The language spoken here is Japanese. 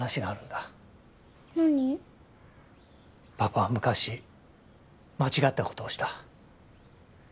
パパは昔間違った事をした。